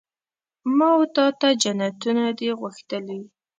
ما وتا ته جنتونه دي غوښتلي